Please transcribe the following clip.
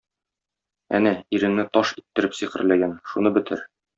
Әнә, иреңне таш иттереп сихерләгән, шуны бетер.